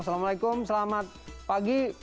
assalamualaikum selamat pagi